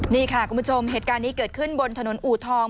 นี่ค่ะคุณผู้ชมเหตุการณ์นี้เกิดขึ้นบนถนนอูทอง